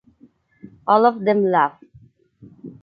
All of them laughed.